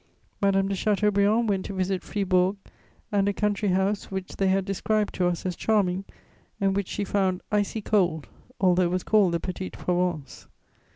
Madame de Chateaubriand went to visit Fribourg and a country house which they had described to us as charming, and which she found icy cold, although it was called the _Petite Provence.